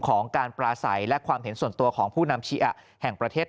ของการปราศัยและความเห็นส่วนตัวของผู้นำเชียแห่งประเทศ